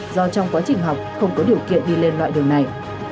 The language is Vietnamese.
do trong quá trình học không có điều kiện đi lên loại đường này